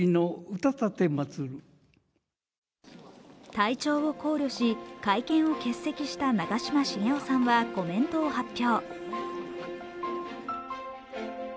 体調を考慮し、会見を欠席した長嶋茂雄さんはコメントを発表。